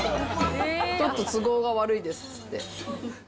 ちょっと都合が悪いですっつって。